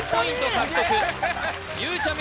獲得ゆうちゃみ